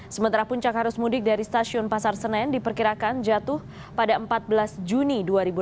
sementara puncak arus mudik dari stasiun pasar senen diperkirakan jatuh pada empat belas juni dua ribu delapan belas